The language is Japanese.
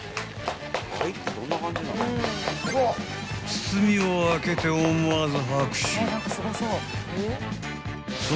［包みを開けて思わず］